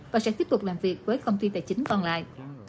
và sẽ tiếp tục làm việc với công ty tài chính còn lại